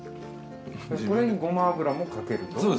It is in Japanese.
これにごま油もかけると。